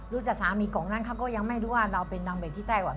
จากสามีกล่องนั้นเขาก็ยังไม่รู้ว่าเราเป็นนางเบ่งที่ไต้หวัน